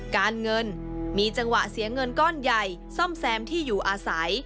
การเงินมีจังหวะเสียเงินก้อนใหญ่ซ่อมแซมที่อยู่อาศัย